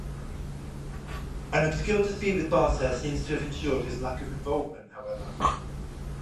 An obscure dispute with Barta seems to have ensured his lack of involvement however.